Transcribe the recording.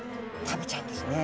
食べちゃうんですね。